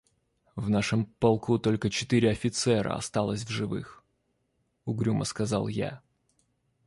— В нашем полку только четыре офицера осталось в живых, — угрюмо сказал я.